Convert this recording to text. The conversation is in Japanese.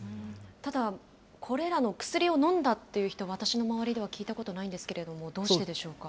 ただ、これらの薬を飲んだって人、私の周りでは聞いたことないんですけれども、どうしてでしょうか。